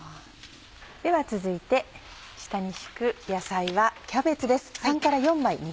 では続いて下に敷く野菜はキャベツです。